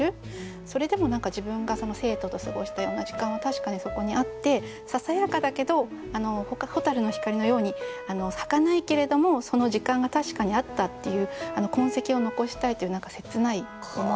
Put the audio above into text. それでも何か自分が生徒と過ごしたような時間は確かにそこにあってささやかだけど蛍の光のようにはかないけれどもその時間が確かにあったっていう痕跡を残したいという何か切ない思いを読みました。